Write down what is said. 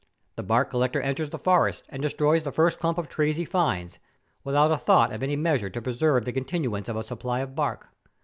The bark collector enters the forest and destroys the first clump of trees he finds, without a thought of any measure to preserve the continuance of a supply of bark.